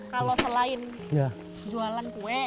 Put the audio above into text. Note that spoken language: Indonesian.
kalau selain jualan kue